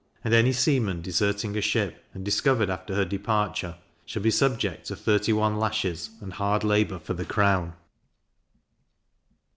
And any seaman deserting a ship, and discovered after her departure, shall be subject to thirty one lashes, and hard labour for the crown.